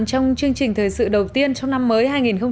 trong chương trình thời sự đầu tiên trong năm mới hai nghìn một mươi bảy